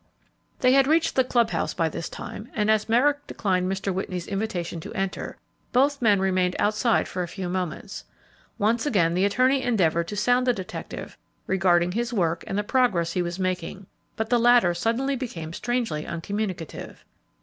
They had reached the club house by this time, and, as Merrick declined Mr. Whitney's invitation to enter, both men remained outside for a few moments. Once again, the attorney endeavored to sound the detective regarding his work and the progress he was making, but the latter suddenly became strangely uncommunicative.